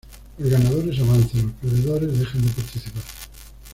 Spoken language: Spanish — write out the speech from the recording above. Los ganadores avanzan, los perdedores dejan de participar.